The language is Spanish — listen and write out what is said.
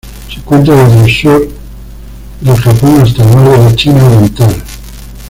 Se encuentra desde el sur del Japón hasta el Mar de la China Oriental.